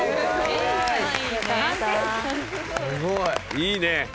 いいね。